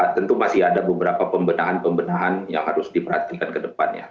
tentu masih ada beberapa pembenahan pembenahan yang harus diperhatikan ke depannya